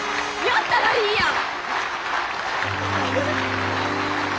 やったらいいやん！